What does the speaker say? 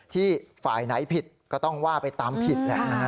ที่ฝ่ายไหนผิดก็ต้องว่าไปตามผิดแหละ